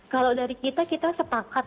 kalau dari kita kita sepakat